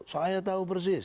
saya tahu persis